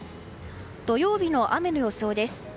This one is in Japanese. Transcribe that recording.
土曜日の雨の予想です。